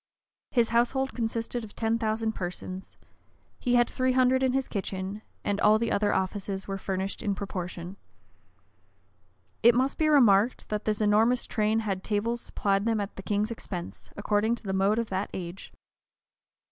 His household consisted of ten thousand persons: he had three hundred in his kitchen; and all the other offices were furnished in proportion.[*] It must be remarked, that this enormous train had tables supplied them at the king's expense, according to the mode of that age.